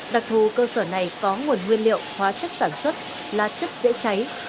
đặc thù cơ sở này có nguồn nguyên liệu hóa chất sản xuất là chất dễ cháy